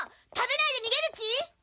食べないで逃げる気？